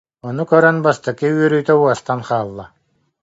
Ону көрөн бастакы үөрүүтэ уостан хаалла